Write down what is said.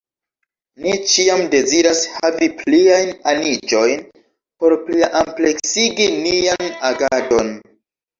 Ni ĉiam deziras havi pliajn aniĝojn por pliampleksigi nian agadon.